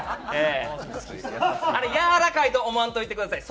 あれやわらかいと思わんといてください。